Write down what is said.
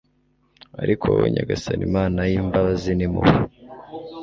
Ariko wowe Nyagasani Mana y’imbabazi n’impuhwe